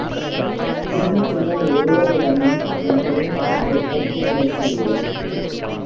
குடும்பத்தினர் ஒருவரிடமும், அதன் பொறுப்பு அடைபட்டுக் கிடக்கவில்லை.